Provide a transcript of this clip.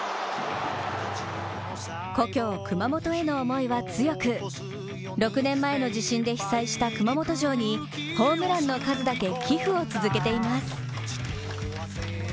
故郷・熊本への思いは強く、６年前の地震で被災した熊本城にホームランの数だけ寄付を続けています。